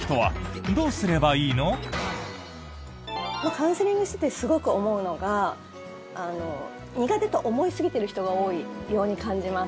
カウンセリングしていてすごく思うのが苦手と思いすぎている人が多いように感じます。